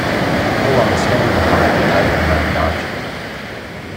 Pull on the standing part to tighten around the object.